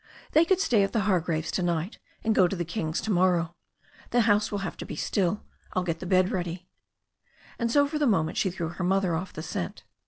"They could stay at the Hargraves' to night, and go to the Kings' to morrow. The house will have to be still. I'll get the bed ready." And so for the moment she threw her mother off the scent.